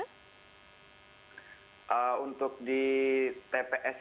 untuk di tps yang sendiri kita tidak adakan semacam aktivitas seperti ini